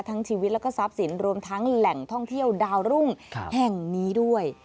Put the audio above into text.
ชีวิตแล้วก็ทรัพย์สินรวมทั้งแหล่งท่องเที่ยวดาวรุ่งแห่งนี้ด้วย